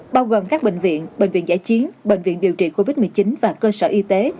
bao gồm các bệnh viện bệnh viện giải chiến bệnh viện điều trị covid một mươi chín và cơ sở y tế